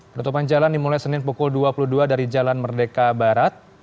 penutupan jalan dimulai senin pukul dua puluh dua dari jalan merdeka barat